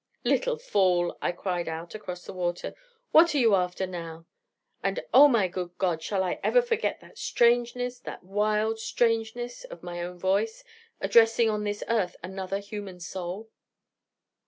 'Little fool!' I cried out across the water, 'what are you after now?' And, oh my good God, shall I ever forget that strangeness, that wild strangeness, of my own voice, addressing on this earth another human soul?